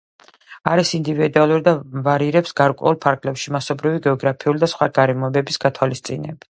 არის ინდივიდუალური და ვარირებს გარკვეულ ფარგლებში რასობრივი, გეოგრაფიული და სხვა გარემოებების გათვალისწინებით.